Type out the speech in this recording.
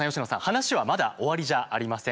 話はまだ終わりじゃありません。